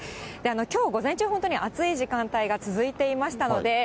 きょう午前中、本当に暑い時間帯が続いていましたので。